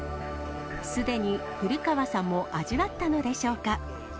すでに古川さんも味わったのでしょうか。